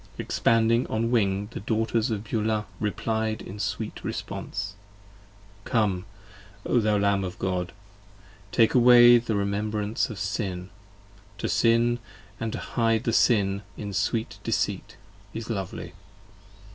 Expanding on wing, the Daughters of Beulah replied in sweet response. Come, O thou Lamb of God, and take away the remembrance of Sin. 25 To Sin & to hide the Sin in sweet deceit, is lovely!